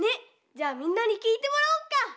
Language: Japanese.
じゃあみんなにきいてもらおうか！